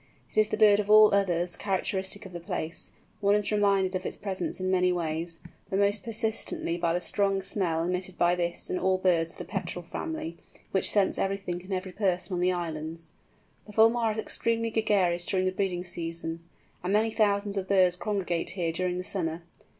It is the bird of all others characteristic of the place; one is reminded of its presence in many ways, but most persistently by the strong smell emitted by this and all birds of the Petrel family, and which scents everything and every person on the islands. The Fulmar is extremely gregarious during the breeding season, and many thousands of birds congregate here during the summer.